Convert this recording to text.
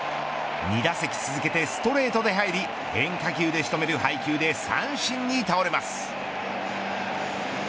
２打席続けてストレートで入り変化球でしとめる配球で三振に倒れます。